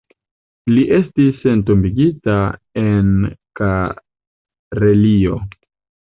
Li estis entombigita en Karelio.